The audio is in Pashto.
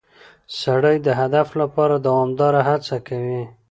سړی د هدف لپاره دوامداره هڅه کوي